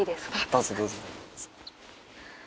どうぞどうぞ。